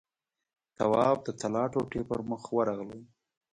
تواب د طلا ټوټې پر مخ ورغلې.